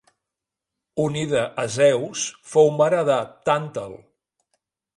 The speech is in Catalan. Unida a Zeus, fou mare de Tàntal.